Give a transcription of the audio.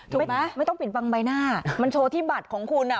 ถูกไหมไม่ต้องปิดบังใบหน้ามันโชว์ที่บัตรของคุณอ่ะ